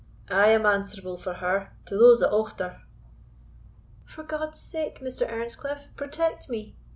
I am answerable for her to those that aught her." "For God's sake, Mr. Earnscliff, protect me!"